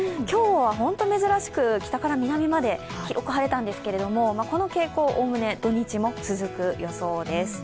今日は本当に珍しく北から南まで広く晴れたんですけれども、この傾向、おおむね土日も続く予想です。